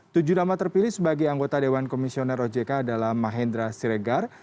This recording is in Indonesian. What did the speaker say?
tujuh nama terpilih sebagai anggota dewan komisioner ojk adalah mahendra siregar